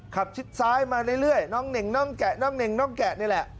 ขับซ้ายมาเรื่อยน้องเน่งแกะนี่แหละ